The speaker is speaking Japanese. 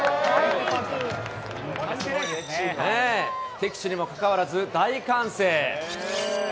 敵地にもかかわらず、大歓声。